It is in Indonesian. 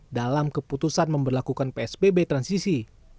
dalam keputusan memperlakukan psbb transisi